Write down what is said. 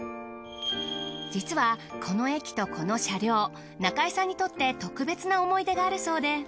実はこの駅とこの車両中井さんにとって特別な思い出があるそうで。